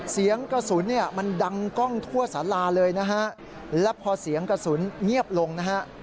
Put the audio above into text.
เสียงกระสุนเนี่ยมันดังกล้องทั่วสาราเลยนะฮะแล้วพอเสียงกระสุนเงียบลงนะฮะ